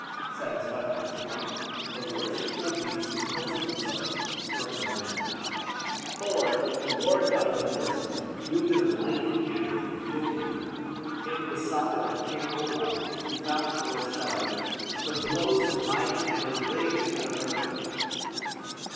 Satisfied on this point, the worshipful beast composes himself for another nap. Thor, the war god of the Norsemen, wielded a mighty hammer, Miolnir. In the "Saga of King Olaf" we find Thor shouting: "The blows of my hammer, Ring in the earthquake."